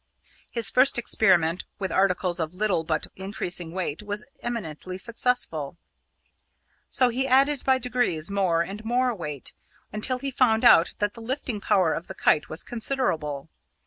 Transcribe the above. His first experiment with articles of little but increasing weight was eminently successful. So he added by degrees more and more weight, until he found out that the lifting power of the kite was considerable.